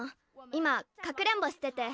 今かくれんぼしてて。